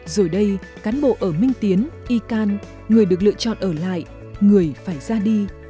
rồi đây cán bộ ở minh tiến y can người được lựa chọn ở lại người phải ra đi